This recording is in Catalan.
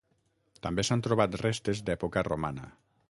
També s'han trobat restes d'època romana.